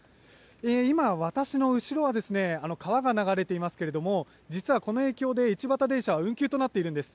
今、私の後ろは川が流れていますけれども実は、この影響で一畑電車は運休となっています。